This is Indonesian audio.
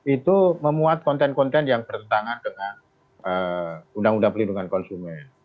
itu memuat konten konten yang bertentangan dengan undang undang pelindungan konsumen